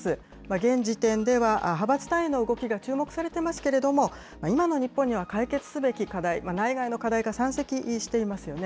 現時点では、派閥単位の動きが注目されてますけれども、今の日本には解決すべき課題、内外の課題が山積していますよね。